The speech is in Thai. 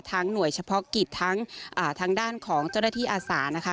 หน่วยเฉพาะกิจทั้งทางด้านของเจ้าหน้าที่อาสานะคะ